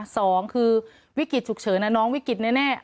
สองคือวิกฤตฉุกเฉินน้องวิกฤตแน่